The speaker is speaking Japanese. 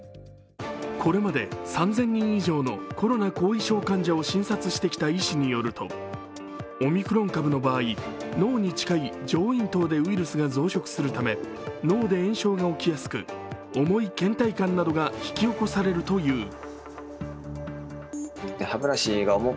これまで３０００人以上のコロナ後遺症患者を診察してきた医師によると、オミクロン株の場合、上咽頭に近いところでウイルスが増殖するため脳で炎症が起きやすく、重いけん怠感などが引き起こされるという。